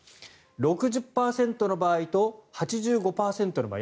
６０％の場合と８５％の場合。